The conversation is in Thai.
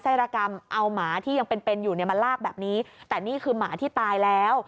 รกรรมเอาหมาที่ยังเป็นเป็นอยู่เนี่ยมาลากแบบนี้แต่นี่คือหมาที่ตายแล้ว